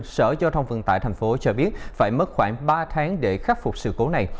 sở giao thông vận tải tp hcm cho biết phải mất khoảng ba tháng để khắc phục sự cố này